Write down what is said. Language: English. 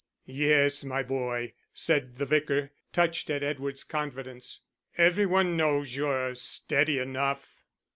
"Yes, my boy," said the Vicar, touched at Edward's confidence. "Every one knows you're steady enough."